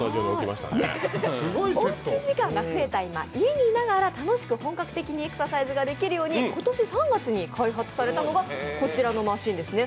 おうち時間が増えた今、家にいながら楽しく本格的にエクササイズができるように今年３月に開発されたのが、こちらのマシンですね。